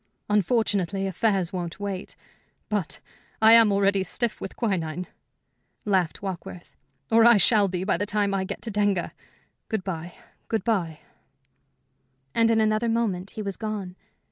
"Unfortunately, affairs won't wait. But I am already stiff with quinine," laughed Warkworth "or I shall be by the time I get to Denga. Good bye good bye." And in another moment he was gone.